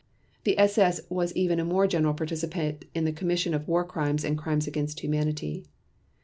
The SS was even a more general participant in the commission of War Crimes and Crimes against Humanity.